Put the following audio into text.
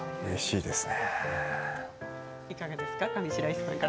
いかがですか？